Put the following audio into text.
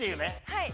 はい。